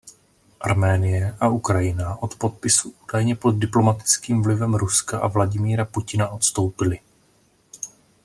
Arménie a Ukrajina od podpisu údajně pod diplomatickým vlivem Ruska a Vladimira Putina odstoupili.